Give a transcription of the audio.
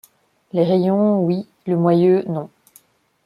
Les rayons, oui ; le moyeu, non.